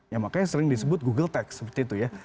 ya makanya sering disebut google tax seperti itu ya